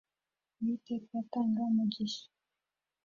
Uwiteka atanga Umugisha.